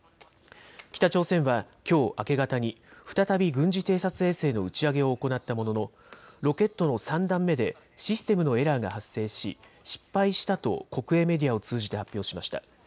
北朝鮮はきょう明け方に再び軍事偵察衛星の打ち上げを行ったもののロケットの３段目でシステムのエラーが発生し失敗したと国営メディアを通じて発表しました。